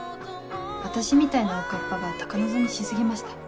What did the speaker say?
私みたいなおかっぱが高望みし過ぎました。